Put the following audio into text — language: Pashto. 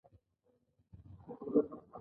پالیسي د اجرااتو یو محتاطانه پلان دی.